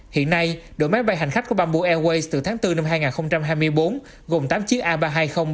hiện nay đội máy bay hành khách của bambu airways từ tháng bốn năm hai nghìn hai mươi bốn gồm tám chiếc a ba trăm hai mươi ba trăm hai mươi một